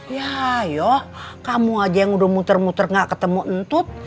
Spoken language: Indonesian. ya yuk kamu aja yang udah muter muter gak ketemu entut